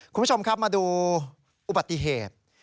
คุณผู้ชมครับมาดูอุบัติเหตุ